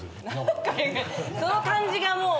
その感じがもう。